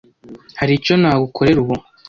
Hari icyo nagukorera ubu?